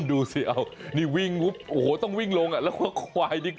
ดูสินี่ต้องวิ่งลงแล้วควาย